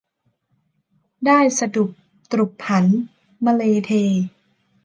ได้สดุบตรุบหันมะเลเท